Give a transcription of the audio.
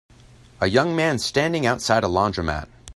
A young man standing outside a laundromat.